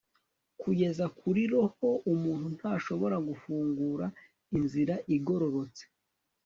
Kugeza kuri roho umuntu ntashobora gufungura inzira igororotse